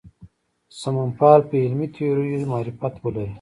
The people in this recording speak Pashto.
سمونپال په علمي تیوریو معرفت ولري.